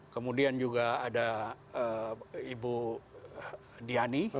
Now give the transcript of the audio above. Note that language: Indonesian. kemudian juga ada ibu diani